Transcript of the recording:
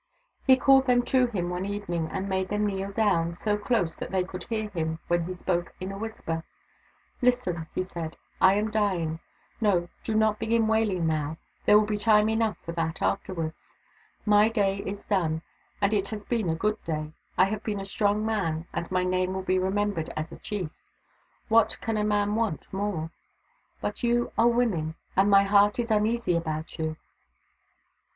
He called them to him one evening, and made them kneel down, so close that they could hear him when he spoke in a whisper. " Listen," he said. " I am dying. No, do not begin wailing now — there will be time enough for that afterwards. My day is done, and it has been a good day : I have been a strong man and my name will be remembered as a chief. What can a man want more ? But you are women, and my heart is uneasy about you."